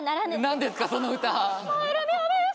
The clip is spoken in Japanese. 何ですかその歌！？